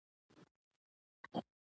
بامیان د افغان کلتور په داستانونو کې راځي.